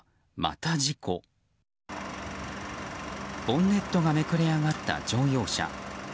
ボンネットがめくれ上がった乗用車。